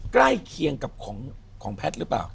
ใกล้เคียงกับของแพทย์หรือเปล่า